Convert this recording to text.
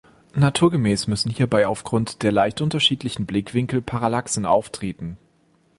Naturgemäß müssen hierbei aufgrund der leicht unterschiedlichen Blickwinkel Parallaxen auftreten.